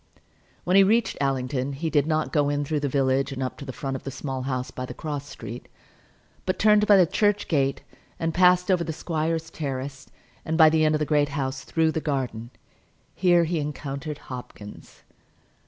When he reached Allington he did not go in through the village and up to the front of the Small House by the cross street, but turned by the church gate and passed over the squire's terrace, and by the end of the Great House through the garden. Here he encountered Hopkins.